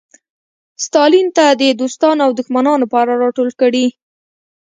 ستالین ته د دوستانو او دښمنانو په اړه راټول کړي.